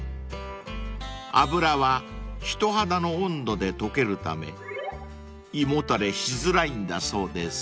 ［脂は人肌の温度で溶けるため胃もたれしづらいんだそうです］